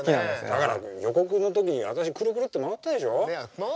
だから予告の時に私くるくるって回ったでしょ？